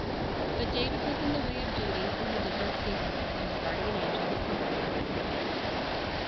But David was in the way of duty, and he did not see her, for his guardian angel was hovering close at hand.